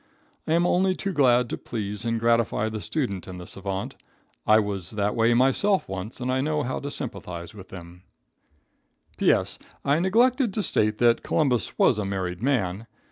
I am only too glad to please and gratify the student and the savant. I was that way myself once and I know how to sympathize with them, P.S. I neglected to state that Columbus was a married man.